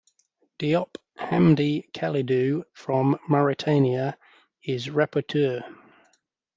Diop Hamdi Kalidou from Mauritania is Rapporteur.